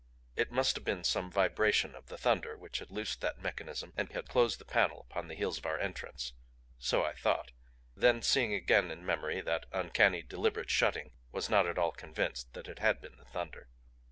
It must have been some vibration of the thunder which had loosed that mechanism and had closed the panel upon the heels of our entrance so I thought then seeing again in memory that uncanny, deliberate shutting was not at all convinced that it had been the thunder.